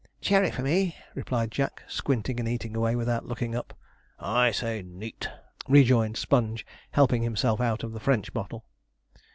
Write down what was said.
'Cherry for me,' replied Jack, squinting and eating away without looking up. 'I say neat,' rejoined Sponge, helping himself out of the French bottle.